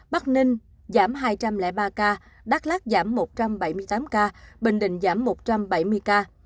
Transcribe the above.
bắc ninh giảm hai trăm linh ba ca đắk lắc giảm một trăm bảy mươi tám ca bình định giảm một trăm bảy mươi ca